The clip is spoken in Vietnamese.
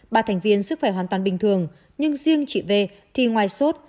ba thành viên sức khỏe hoàn toàn bình thường nhưng riêng chị v thì ngoài sốt